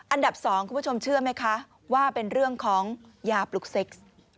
อันดับ๒คุณผู้ชมเชื่อไหมคะว่าเป็นเรื่องของยาปลุกเซ็กซ์